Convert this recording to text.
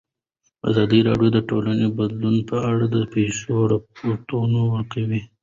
ازادي راډیو د ټولنیز بدلون په اړه د پېښو رپوټونه ورکړي.